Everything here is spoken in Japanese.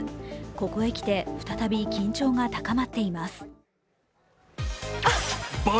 ここへ来て再び緊張が高まっています。